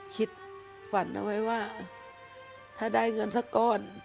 คิดฝันเอาไว้ว่าถ้าได้เงินสักก้อน